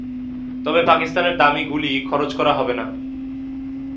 তবে পাকিস্তানের দামি গুলি খরচ করা হবে না।